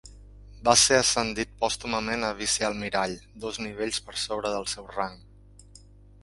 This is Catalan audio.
Va ser ascendit pòstumament a vicealmirall, dos nivells per sobre del seu rang.